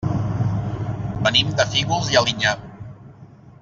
Venim de Fígols i Alinyà.